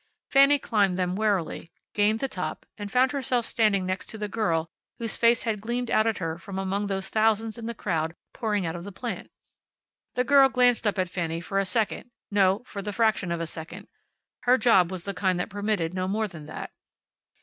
Fanny climbed them warily, gained the top, and found herself standing next to the girl whose face had gleamed out at her from among those thousands in the crowd pouring out of the plant. The girl glanced up at Fanny for a second no, for the fraction of a second. Her job was the kind that permitted no more than that.